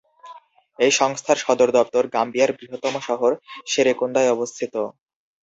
এই সংস্থার সদর দপ্তর গাম্বিয়ার বৃহত্তম শহর সেরেকুন্দায় অবস্থিত।